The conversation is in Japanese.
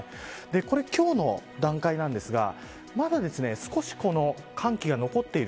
これ、今日の段階なんですがまだ少しこの寒気が残っている。